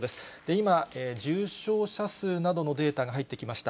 今、重症者数などのデータが入ってきました。